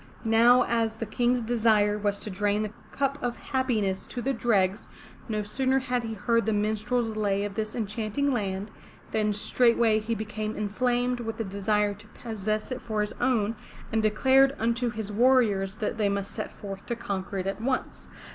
'* Now as the King's desire was to drain the cup of happiness to the dregs, no sooner had he heard the minstrel's lay of this enchanting land than straightway he became inflamed with the desire to possess it for his own, and declared unto his warriors that they must set forth to conquer it at once.